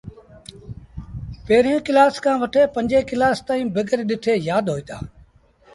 پيريٚݩ ڪلآس کآݩ وٺي پنجيٚن ڪلآس تائيٚݩ بيگر ڏٺي يآد هوئيٚتآ۔